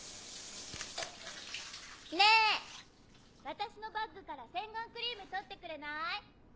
・私のバッグから洗顔クリーム取ってくれない？